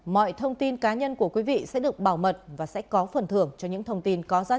mọi thông tin cá nhân của quý vị sẽ được bảo mật và sẽ có phần thưởng cho những thông tin có giá trị